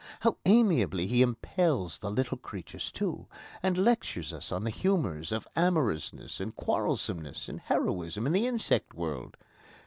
How amiably he impales the little creatures, too, and lectures us on the humours of amorousness and quarrelsomeness and heroism in the insect world!